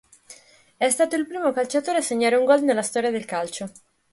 È stato il primo calciatore a segnare un gol nella storia del calcio.